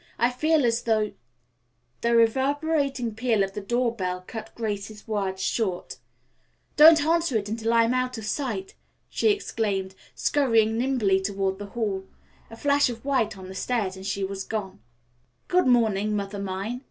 I feel as though " The reverberating peal of the door bell cut Grace's words short. "Don't answer it until I am out of sight!" she exclaimed, scurrying nimbly toward the hall. A flash of white on the stairs and she was gone. "Good morning, Mother mine.